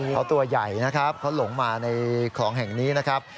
เขาตัวใหญ่นะครับเขาหลงมาในคลองแห่งนี้นะครับ